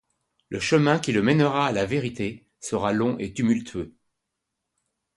Le chemin qui le mènera à la vérité sera long et tumultueux...